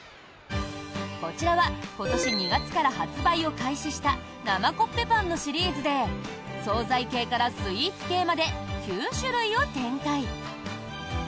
こちらは今年２月から発売を開始した生コッペパンのシリーズで総菜系からスイーツ系まで９種類を展開！